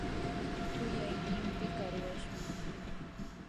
kuyay llimpii qarwashmi.